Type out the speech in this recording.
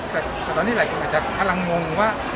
แต่ตอนนี้หลายคนก็จะอลังงงว่า